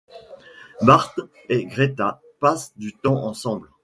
Bart et Greta passent du temps ensemble.